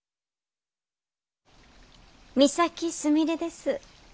美咲すみれです。